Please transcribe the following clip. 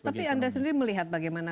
tapi anda sendiri melihat bagaimana